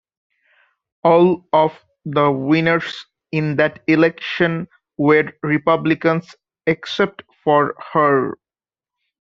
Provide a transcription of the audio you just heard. All of the winners in that election were Republicans except for her.